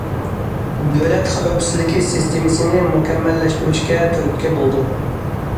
دۆلەت خەۋپسىزلىكى سىستېمىسىنى مۇكەممەللەشتۈرۈشكە تۈرتكە بولدۇق.